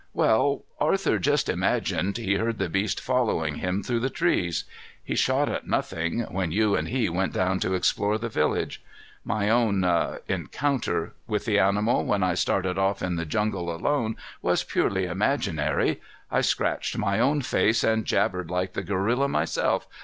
"Well, Arthur just imagined he heard the beast following him through the trees. He shot at nothing, when you and he went down to explore the village. My own 'encounter' with the animal when I started off in the jungle alone was purely imaginary. I scratched my own face and jabbered like the gorilla myself.